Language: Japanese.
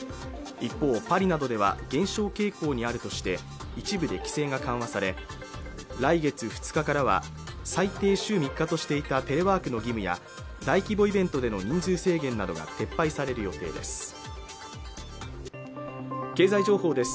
一方パリなどでは減少傾向にあるとして一部で規制が緩和され来月２日からは最低週３日としていたテレワークの義務や大規模イベントでの人数制限などが撤廃される予定です